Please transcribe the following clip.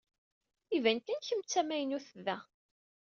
Iban kan kemm d tamaynut da.